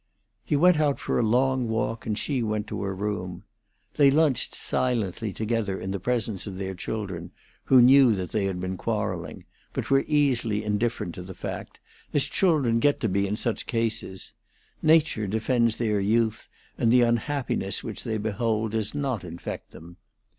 He went out for a long walk, and she went to her room. They lunched silently together in the presence of their children, who knew that they had been quarrelling, but were easily indifferent to the fact, as children get to be in such cases; nature defends their youth, and the unhappiness which they behold does not infect them.